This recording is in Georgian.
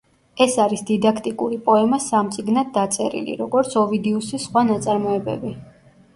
ეს არის დიდაქტიკური პოემა სამ წიგნად დაწერილი, როგორც ოვიდიუსის სხვა ნაწარმოებები.